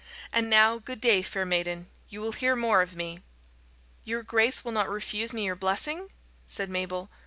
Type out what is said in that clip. And now, good day, fair maiden; you will hear more of me." "Your grace will not refuse me your blessing?" said Mabel.